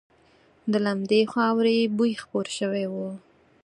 د لندې خاورې بوی خپور شوی و.